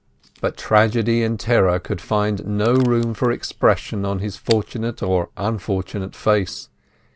But tragedy and terror could find no room for expression on his fortunate or unfortunate face.